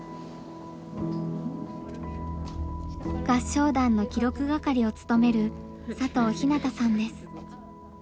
合唱団の記録係を務める佐藤日向さんです。